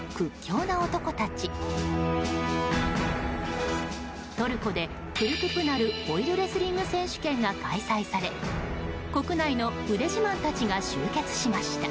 ２日、トルコでクルクプナル・オイルレスリング選手権が開催され、国内の腕自慢たちが集結しました。